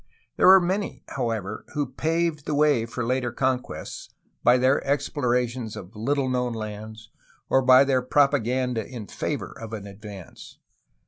There were many, however, who paved PROGRESS OF OVERLAND ADVANCE 189 the way for later conquests by their explorations of little known lands or by their propaganda in favor of an advance.